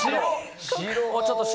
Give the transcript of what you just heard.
白。